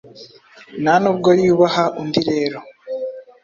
Ntanubwo yubaha undi rero,